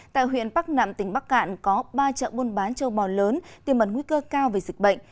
tại huyện bắc nạm tỉnh bắc cạn có ba chợ buôn bán châu bò lớn tiềm ẩn nguy cơ cao về dịch bệnh